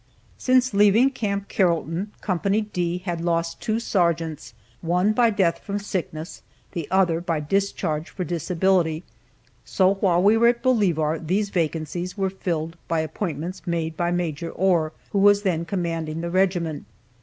Since leaving Camp Carrollton, Co. D had lost two sergeants, one by death from sickness, the other by discharge for disability, so while we were at Bolivar these vacancies were filled by appointments made by Maj. Ohr, who was then commanding the regiment.